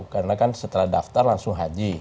karena kan setelah daftar langsung haji